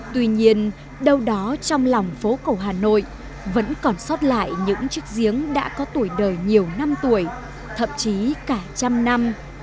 tuy nhiên đâu đó trong lòng phố cổ hà nội vẫn còn sót lại những chiếc giếng đã có tuổi đời nhiều năm tuổi thậm chí cả trăm năm